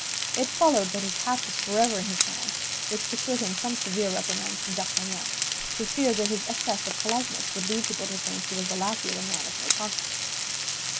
It followed that his hat was forever in his hand, which procured him some severe reprimands from D'Artagnan, who feared that his excess of politeness would lead people to think he was the lackey of a man of no consequence.